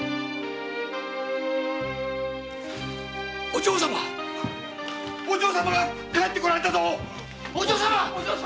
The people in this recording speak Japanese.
お嬢様お嬢様が帰って来られたぞ。